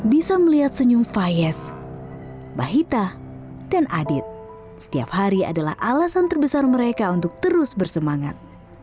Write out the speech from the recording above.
bisa melihat senyum fayes bahita dan adit setiap hari adalah alasan terbesar mereka untuk terus bersemangat